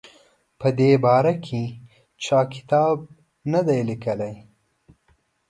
په دې باره کې چا کتاب نه دی لیکلی.